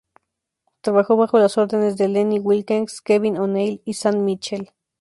Trabajó bajo las órdenes de Lenny Wilkens, Kevin O'Neill, y Sam Mitchell.